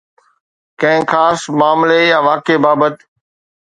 ڪنهن خاص معاملي يا واقعي بابت